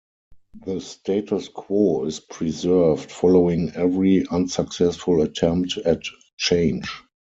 The status quo is preserved following every unsuccessful attempt at change.